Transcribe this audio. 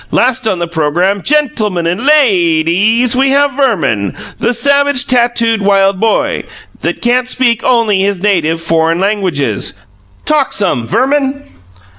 Last on the programme, gen til mun and lay deeze, we have Verman, the savage tattooed wild boy, that can't speak only his native foreign languages. Talk some, Verman."